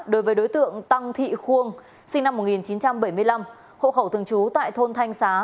đối với đối tượng tăng thị khuông sinh năm một nghìn chín trăm bảy mươi năm hộ khẩu thường trú tại thôn thanh xá